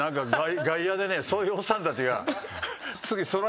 外野でねそういうおっさんたちが次。